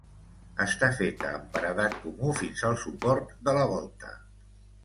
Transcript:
Està feta amb paredat comú fins al suport de la volta.